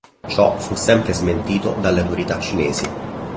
Ciò fu sempre smentito dalla autorità cinesi.